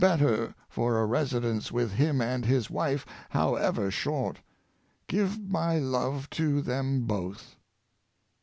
131 better for a residence with him and his wife, however short. Give my love to them both.''